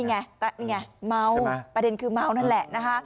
นี่ไงนี่ไงเมาประเด็นคือเมานั่นแหละนะคะ